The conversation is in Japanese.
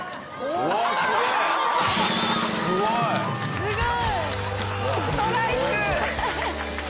すごい。